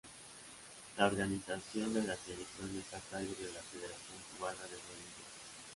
La organización de la selección está a cargo de la Federación Cubana De Voleibol.